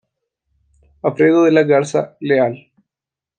Alfredo de la Garza Leal.